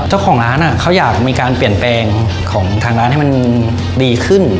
เจ้าของร้านเขาอยากมีการเปลี่ยนแปลงของทางร้านให้มันดีขึ้น